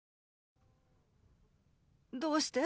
どうして？